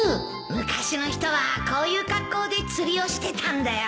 昔の人はこういう格好で釣りをしてたんだよ